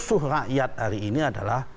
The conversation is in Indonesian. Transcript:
suh rakyat hari ini adalah